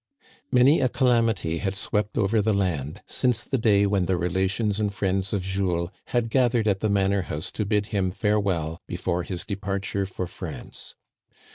Many a calamity had swept over the land since the day when the relations and friends of Jules had gathered at the manor house to bid him farewell be fore his departure for France.